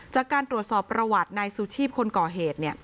จากการตรวจสอบประวัตินายซูชีพคนก่อเหตุ